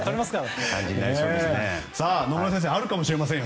野村先生あるかもしれませんよ。